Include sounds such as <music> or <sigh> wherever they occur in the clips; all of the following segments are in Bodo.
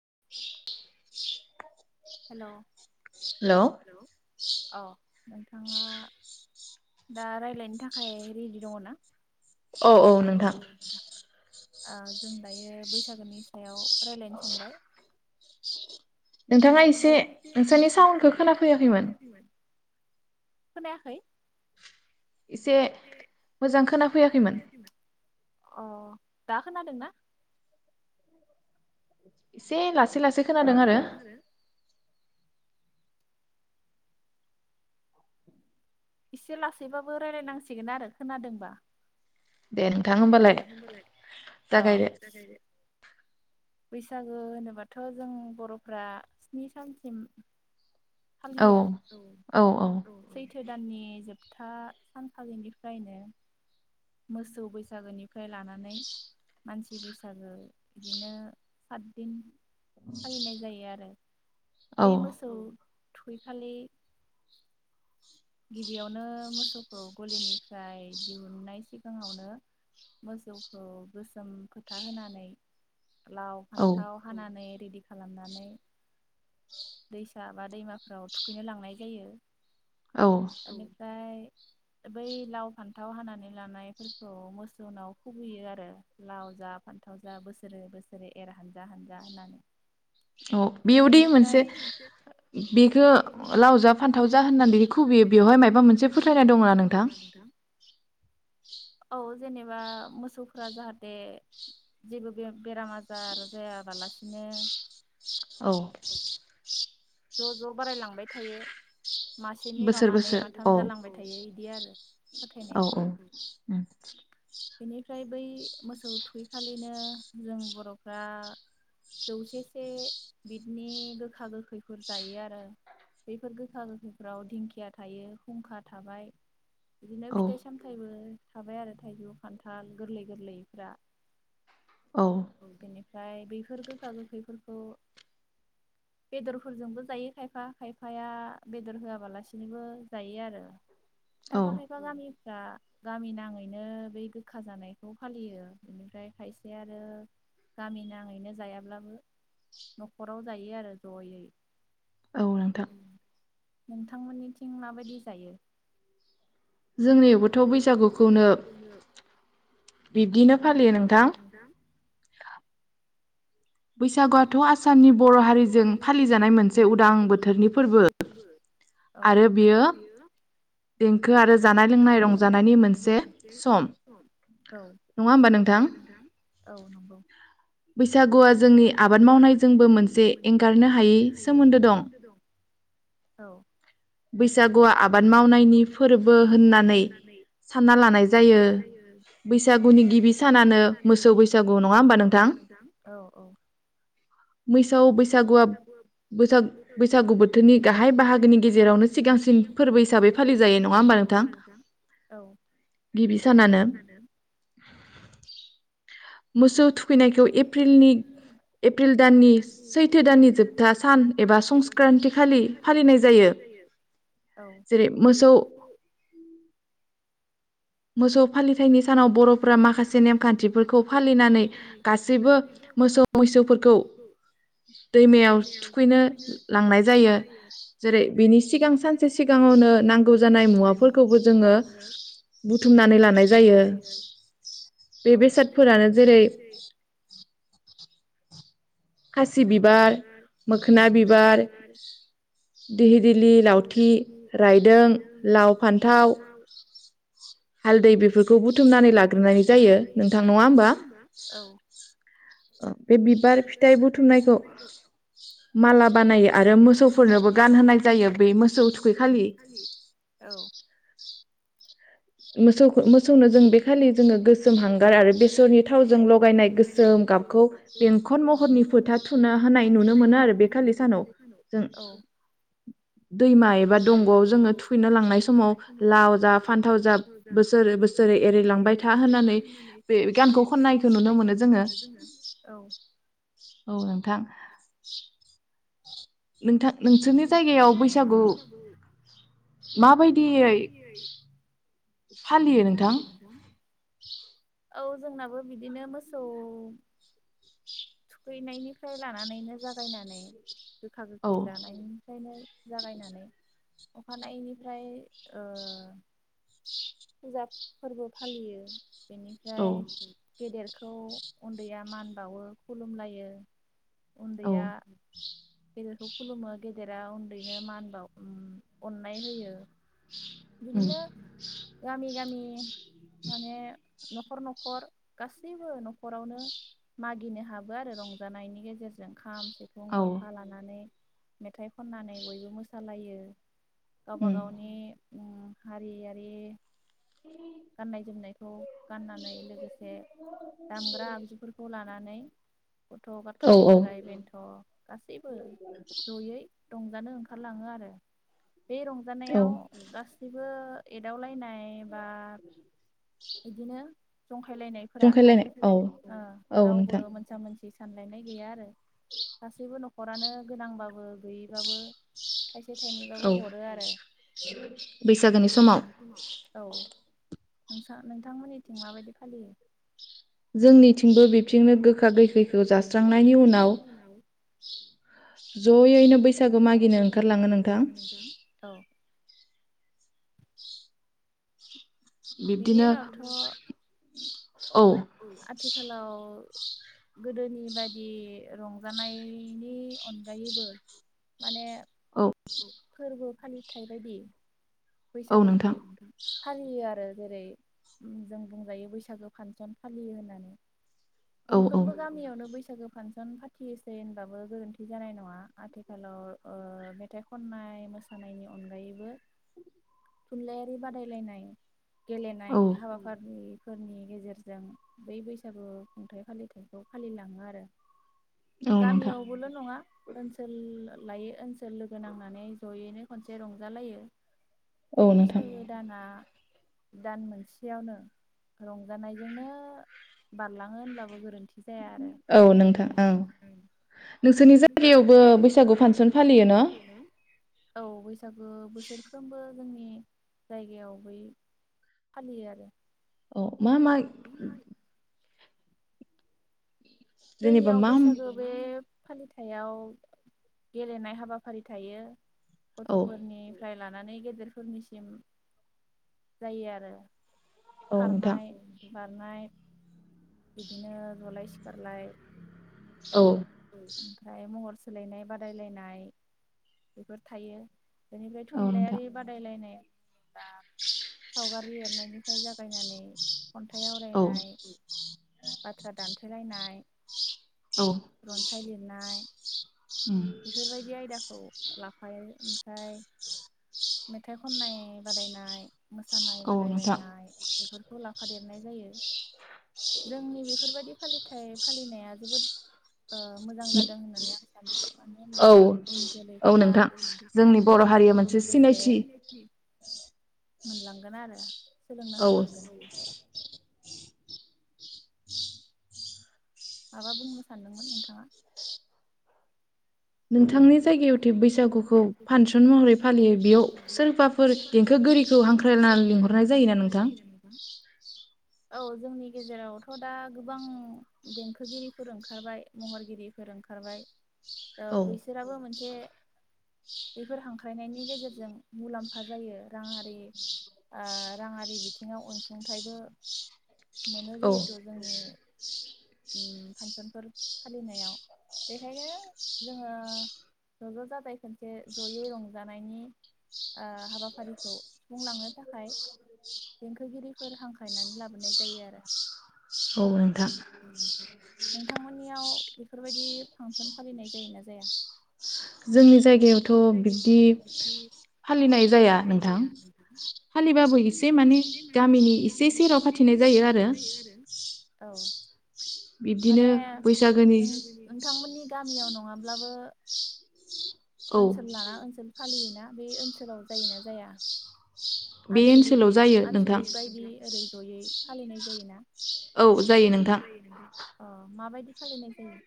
<unintelligible> Hello hello. नोंथाङा दा राय्लायनो थाखाय रेडि दङ ना? औ औ नोंथां। ओ जों दायो बैसागोनि सायाव राय्लायनो सानबाय। नोंथाङा एसे नोंसोरनि साउन्डखौ खोनाफैयाखैमोन। खोनायाखै? एसे मोजां खोना फैयाखैमोन। अ दा खोनादोंना? एसे लासै लासै खोनादों आरो। इसे लासैबाबो रायज्लायनांसिगोन आरो खोनादोंबा। दे नोंथां होमबालाय जागायदो। बैसागो होनोबाथ' जों बर'फ्रा स्नि सानसिम औ औ औ। सैथो दाननि जोबथा सानखालिनिफ्रायनो मोसौ बैसा सागुनि फ्राय लानानै मानसि बैसागो बिदिनो सातदिन फालिनाय जायो आरो। बै मोसौ थुखैखालि गिबियावनो मोसौखौ गलिनिफ्राय दिहुननाय सिगाङावनो मोसौखौ गोसोम फोथा होनानै लाव फान्थाव हानानै रेडि खालामनानै दैसा बा दैमाफोराव थुखैनो लांनाय जायो। बेनिफ्राय बै लाव फान्थाव हानानै लानायफोरखौ मोसौनाव खुबैयो आरो लाव जा फान्थाव जा बोसोरै बोसोरै एर हानजा हानजा होननानै। औ बेयावदिे मोनसे बेखौ लाव जा फान्थाव जा होननानै बि खुबैयो बेवहाय मायाबा मोनसे फोथायनाय दङ ना नोंथां? औ जेनेबा मोसौफोरा जाहाथे जेबो बेराम आजार जायाबालासिनो औ। ज' ज' बारायलांबाय थायो। मासेनि उनाव मानै माथाम जालांबाय थायो इदि आरो फोथायनाया। औ बेनिफ्राय बै मोसौ थुखैखालिनो जों बर'फ्रा जौसेसे बिदनि गोखा गोखैफोर जायो आरो बेफोर गोखा गोखैफोराव दिंखिया थायो हुंखा थाबाय बिदिनो फिथाइ सामथायाइबो थाबाय आरो थाइजौ खान्थाल गोरलै गोरलैफ्रा औ बि ओमफ्राय बेफोर गोखा गोखैफोरखौ बेदरफोरजोंबो जायो खायफा खायफाया बेदर होआबालासिनोबो जायो आरो खायफा खायफा गामि आरा गामि नाङैनो बै गोखा जानायखौ फालियो बेनिफ्राय खायसे आरो गामि नांङैनो जायाब्लाबो न'खराव जायो आरो जयै औ नोंथां नोंथांमोननिथिं माबायदि जायो जोंनि गोथौ बैसागुखौनो बिदिनो फालियो नोंथां बैसागुआथ' आसामनि बर' हारिजों फालिजानाय मोनसे उदां बोथोरनि फोरबो औ आरो बियो देंखो आरो जानायनि माइरं जानायनि मोनसे सम औ नंङा होमबा नोंथां औ नंगौ बैसागुआ जोंनि आबाद मावनायजोंबो मोनसे एंगारनो हायि सोमोन्दो दं औ बैसागुआ आबाद मावनायनि फोरबो होननानै सानना लानाय जायो बैसागुनि गिबि सानानो मोसौ बैसागु नंङा होमबा नोंथां मैसौ बैसागु आ बैसा बैसागु बोथोरनि गाहाय बाहागोनि गेजेरावनो सिगांसिन फोरबो हिसाबै फालिजायो नङा होमबा नोंथां गिबि सानानो मोसौ थुखैनायखौ एप्रिल नि एप्रिल दाननि सैथो दाननि जोबथा सान एबा संक्रान्ति खालि फालिनाय जायो औ जेरै मोसौ मोसौ फालिथायनि सानाव बर'फोरा माखासे नेमखान्थिफोरखौ फालिनानै गासैबो मोसौ मैसोफोरखौ दैमायाव थुखैनो लांनाय जायो जेरै बिनि सिगां सानसे सिगाङावनो नांगौ जानाय मुवाफोरखौबो जोङो नानै लानाय जायो बे बेसादफोरानो जेरै खासि बिबार मोखोना बिबार दिहि दिलि लावथि रायदों लाव फान्थाव हालदै बेफोरखौ बुथुमनानै लाग्रोनाय जायो नोंथां नङा होमबा ओ बे बिबार फिथाइ बुथुमनायखौ माला बानायो आरो मोसौफोरनोबो गानहोनाय जायो बे मोसौ थुखालि औ मोसौखो मोसौनो जों बे खालि जोङो गोसोम हांगार आरो बेसरनि थावजों लगायनाय गोसोम गाबखौ बेंखन महरनि फोथा थुना होनाय नुनो मोनो आरो बेखालि सानाव जों दैमा एबा दंग'आव जोङो थुखैनो लांनाय समाव लाव जा फान्थाव जा जेरै एरायलांबाय था होननानै बे गानखौ खन्नायखौ नुनो मोनो जोङो औ नोंथां <inaudible> नोंथां नोंसोरनि जायगायाव बैसागु माबायदियै फालियो नोंथां <inaudible> औ जोंनाबो बिदिनो मोसौ थुखैनायनिफ्राय लानानैनो जागायनानै गोखा गोखै जानायनिफ्रायनो जागायनानै अखानायनिफ्राय ओ फुजा फोरबो फालियो बेनिफ्राय गेदेर खौ उन्दैया मान बावो खुलुमलायो उन्दैया गेदेरखौ खुलुमो गेदेरा उन्दैनो मान बाव अननाय होयो बिदिनो गामि गामि माने न'खर न'खर गासैबो न'खरावनो मागिनो हाबो आरो रंजानायनि गेजेरजों खाम सिफुं जथा लानानै मेथाइ खननानै बयबो मोसालायो गावबा गावनि ओम हारियारि गाननाय जोमनायखौ गाननानै लोगोसे दामग्रा आगजुफोरखौ लाना नानै गथ' गाथाय बोराइ बेन्थ' गासैबो जयै रंजानो ओंखारलाङो आरो बे रंजानायाव गासिबो एदावलाय लायनाय बा एदिनो जंखायलायनायफोरा थायो ओ रावबो मोनसा मोनसि सानलायनाय गैया आरो गासैबो न नखरानो गोनांबाबो गयैबाबो औ बैसागोनि समाव औ नोंसा नोंथांमोननिथिं माबायदि फालियो जोंनिथिंबो बिथिंनो गोखा गोैखैखौ जास्रांनायनि उनाव जयैनो बैसागु मागिनो ओंखारलाङो नोंथां बिब्दिनो आथिखालाव गोदोनि बायदि रंजानाय नि अनगायैबो माने औ। फालिथाय बायदि बैसागोखौ फालियो आरो जेरै जों बुंजायो बैसागो फानसन फालियो होननानै। गंफ्रोमबो गामियावनो बैस बैसागो फांसन फाथियोसै होनबाबो गोरोन्थि जानाय नङा आथिखालाव ओ मेथाइ खननाय मोसानायनि अनगायैबो थुनलाइयारि बादायलायनाय गेलेनाय हाबाफारि फोरनि गेजेरजों बै बैसागु खुंथाइ फालिथायखौ फालि लाङो आरो। गामियावबोल' नङा ओनसोल लायै ओनसोल लोगो नांनानै ज'यैनो खनसे रंजालायो बे बैसागो दाना दान मोनसेयावनो रंजानाय जोंनो बारलां होनब्लाबो गोरोन्थि जाया आरो औ नों औ नोंसोरनि जायगायावबो बैसागु फानसन फालियो ना? औ बैसागु बोसोरफ्रोमबो जोंनि जायगायाव बै फालियो आरो। अ मा माय? जोंनियाव बैसागो बे फालिथायाव गेलेनाय हाबाफारि थायो। गथ'फोरनि फ्राय लानानै गेदेर फोरनिसिम जायो आरो। खारनाय बारनाय बिदिनो जलाय सि लाय औ। सोलायनाय बादायलायनाय बेफोर थायो। बेनिफ्राय थुनलाइयारि बादायलायनाय बा औ सावगारि एरनायनिफ्राय जागायनानै खन्थाइ आवरायनाय बाथ्रा दानथेलायनाय औ रनसाय लिरनाय बेफोरबायदि आयदाखौ लाफायो ओमफ्राय मेथाइ खननाय बादायनाय मोसानाय बादायलायनाय बेफोरखौ ला फादेरनाय जायो। जोंनि बेफोरबायदि फालि थाइ फालिनाया जोबोद ओ मोजां जादों होननानै आं सानो। मानो होनब्ला उन जोलैफोरा सोलोंनायजों लोगोसे मोनलांगोन आरो सोलोंनो हालांगोन औ माबा बुंनो सानदोंमोन नोंथांङा? नोंथांनि जायगायावथे बैसागुखौ फान्सन महरै फालियो बेयाव सोरबाफोर देंखो गोरिखौ हांख्रायनानै लिंहरनाय जायो ना नोंथां? औ जोंनि गेजेरावथ' दा गोबां देंखोगिरिफोर ओंखारबाय महरगिरिफोर ओंखारबाय। औ बैस आबो मोनसे बेफोर हांख्रायनायनि गेजेरजों मुलाम्फा जायो रांङारि आ रांङारि बिथिंङाव अनसुंथाइबो मोनो जिहेथु जोंनि उम फांसनफोर फालिनायाव बेखायनो जोंङो ज-ज जाजाय खनसे जयै रंजानायनि आ हाबाफारिखौ सुफुंलांनो थाखाय देंखोगिरिफोर हांख्रायनानै लाबोनाय जायो आरो। नोंथांमोननियाव बेफोरबायदि फांसन फालिनाय जायोना जाया? जोंनि जायगायावथ बिब्दि फालिनाय जाया नोंथां। फालिबाबो एसे माने गामिनि इसे सेराव फाथिनाय जायो आरो। माने नोंथांमोननि गामियाव न' नंङाब्लाबो ओनसोल लाना ओनसोल फालियोना बे ओनसोलाव जायोना जाया? आनसलिक आनसलिक बायदि ओरै जयै फालिनाय जायोना? औ जायो नोंथां। अ माबायदि फालिनायजायो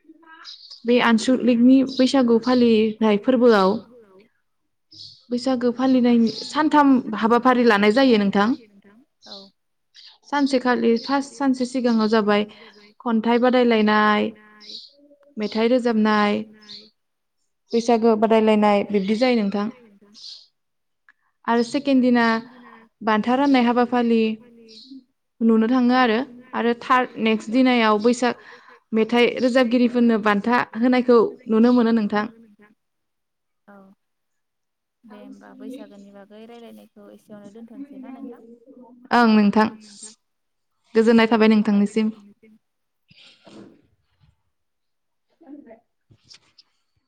बे आनसलिकनि बैसागु फालिनाय फोरबोआव बैसागो फालिनायनि सानथाम हाबा फारि लानाय जायो नोंथां सानसेखालि फास सानसे सिगाङाव जाबाय खन्थाइ बादायलायनाय मेथाइ रोजाबनाय बैसागो बादायलायनाय बिब्दि जायो नोंथां। आरो सेके दिना बान्था राननाय हाबाफालि नुनो थाङो आरो आरो थार्ड नेक्स्ट दिनाव बैसाग मेथाइ रोजाबगिरिफोरनो बान्था होनायखौ नुनो मोनो नोंथां। दे होमबा बैसागोनि बागै रायज्लायनाय एसेयावनो दोनथनोसै ना नोंथां। औ नोंथां साबायखर थाबाय। <inaudible>